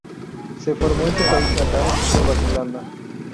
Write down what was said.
Se formó en su país natal, Nueva Zelanda.